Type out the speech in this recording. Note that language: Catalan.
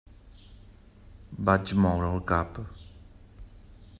Vaig moure el cap.